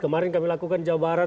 kemarin kami lakukan jawa barat